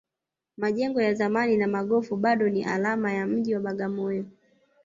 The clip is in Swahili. majengo ya zamani na magofu bado ni alama ya mji wa bagamoyo